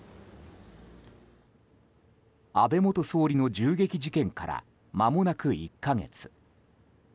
安倍元総理の銃撃事件からまもなく１か月。